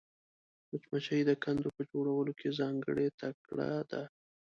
مچمچۍ د کندو په جوړولو کې ځانګړې تکړه ده